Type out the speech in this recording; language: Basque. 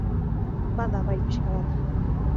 Bada, bai, pixka bat.